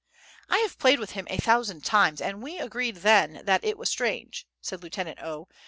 "I have played with him a thousand times, and we agreed then that it was strange," said Lieutenant O.